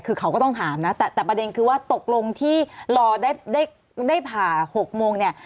คือเขาก็ต้องถามนะแต่ประเด็นคือว่าตกลงที่รอได้ผ่า๖โมงเนี่ย